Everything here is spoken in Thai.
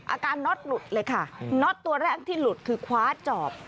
น็อตหลุดเลยค่ะน็อตตัวแรกที่หลุดคือคว้าจอบ